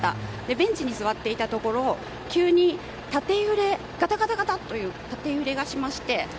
ベンチに座っていたところ、急にガタガタ！という縦揺れがしまして。